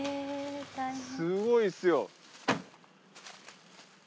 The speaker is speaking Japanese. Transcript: すごいっすよ。